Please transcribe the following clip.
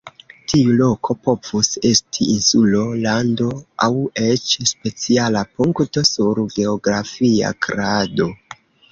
Tiu loko povus esti insulo, lando aŭ eĉ speciala punkto sur geografia krado.